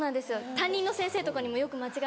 担任の先生とかにもよく間違えられてて。